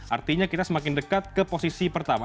artinya kita semakin dekat ke posisi pertama